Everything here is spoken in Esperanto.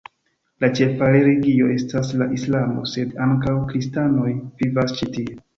La ĉefa religio estas la islamo, sed ankaŭ kristanoj vivas ĉi tie.